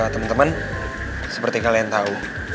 temen temen seperti kalian tau